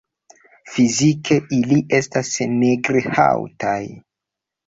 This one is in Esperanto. Fizike ili estas nigr-haŭtaj.